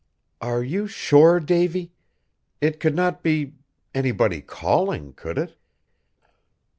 "Are you sure, Davy? It could not be anybody calling, could it?"